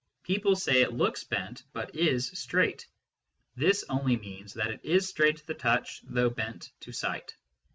People say it looks bent but is straight : this only means that it is straight to the touch, though bent to sight.